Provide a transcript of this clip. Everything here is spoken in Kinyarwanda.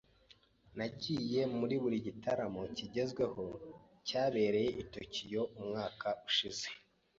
Nagiye muri buri gitaramo kigezweho cyabereye i Tokiyo umwaka ushize.